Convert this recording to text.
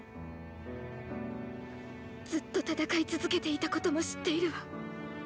ずっと戦い続けていたことも知っているわ。